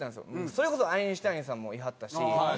それこそアインシュタインさんもいはったし。